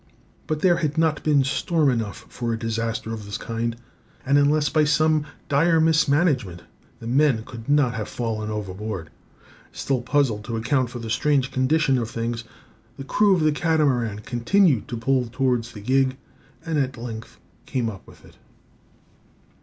But there had not been storm enough for a disaster of this kind; and unless by some dire mismanagement, the men could not have fallen overboard. Still puzzled to account for the strange condition of things, the crew of the Catamaran continued to pull towards the gig, and at length came up with it.